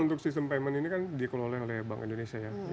untuk sistem payment ini kan dikelola oleh bank indonesia ya